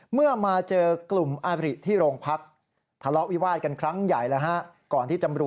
เห็นไหมเห็นหัวไหม